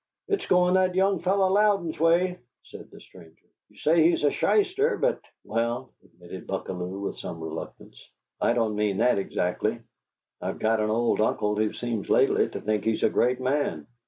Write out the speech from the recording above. "It's going that young fellow Louden's way," said the stranger. "You say he's a shyster, but " "Well," admitted Buckalew, with some reluctance, "I don't mean that exactly. I've got an old uncle who seems lately to think he's a great man."